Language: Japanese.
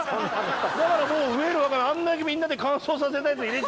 だからもうふえるわかめあんだけみんなで乾燥させたやつ入れ